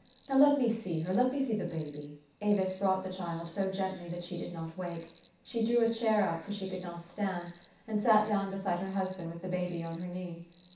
Now let me see her let me see the baby." Avis brought the child, so gently that she did not wake. She drew a chair up, for she could not stand, and sat down beside her husband with the baby on her knee.